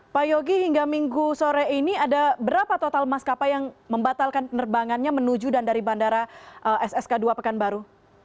pak yogi hingga minggu sore ini ada berapa total maskapai yang membatalkan penerbangannya menuju dan dari bandara ssk dua pekanbaru